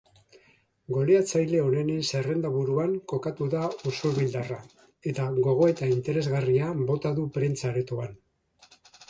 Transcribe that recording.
Goleatzaile onenen zerrenda-buruan kokatu da usurbildarra eta gogoeta interesgarria bota du prentsa aretoan.